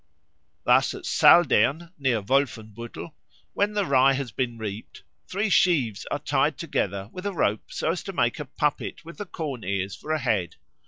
Thus at Saldern, near Wolfenbuttel, when the rye has been reaped, three sheaves are tied together with a rope so as to make a puppet with the corn ears for a head.